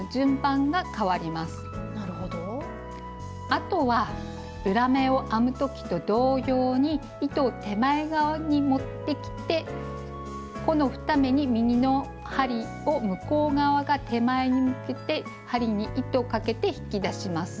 あとは裏目を編む時と同様に糸を手前側に持ってきてこの２目に右の針を向こう側から手前に向けて針に糸をかけて引き出します。